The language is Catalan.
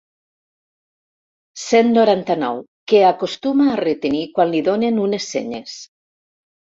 Cent noranta-nou que acostuma a retenir quan li donen unes senyes.